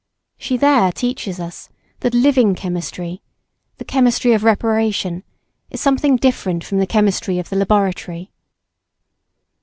She there teaches us that living chemistry, the chemistry of reparation, is something different from the chemistry of the laboratory.